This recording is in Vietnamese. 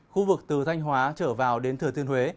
khu vực từ thanh hóa trở vào đến thừa thiên huế